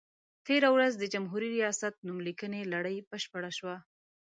تېره ورځ د جمهوري ریاست نوم لیکنې لړۍ بشپړه شوه.